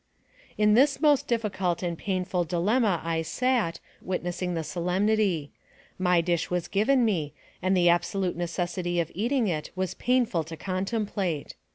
In this most difficult and painful dilemma I sat, witnessing the solemnity ; my dish was given me, and the absolute necessity of eating it was painful to con template.